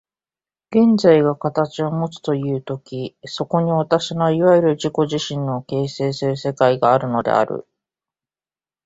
現在が形をもつという時、そこに私のいわゆる自己自身を形成する世界があるのである。